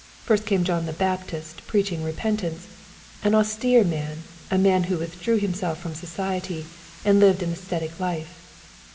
First came John the Baptist preaching repentance — ^an austere man, a man who withdrew himself from society, and lived an ascetic life.